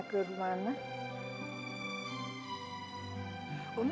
terima kasih ya umi